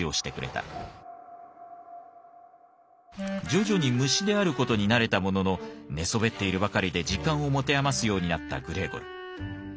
徐々に虫である事に慣れたものの寝そべっているばかりで時間を持て余すようになったグレーゴル。